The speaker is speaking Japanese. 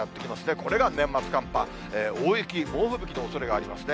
これが年末寒波、大雪、猛吹雪のおそれがありますね。